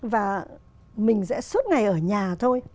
và mình sẽ suốt ngày ở nhà thôi